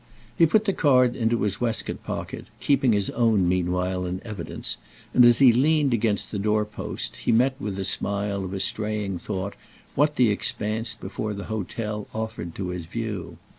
He put the card into his waistcoat pocket, keeping his own meanwhile in evidence; and as he leaned against the door post he met with the smile of a straying thought what the expanse before the hotel offered to his view.